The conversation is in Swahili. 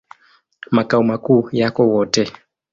Makao makuu yako Wote.